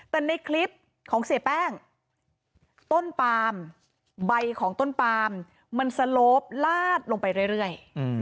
แต่ในคลิปของเสียแป้งต้นปามใบของต้นปามมันสโลปลาดลงไปเรื่อย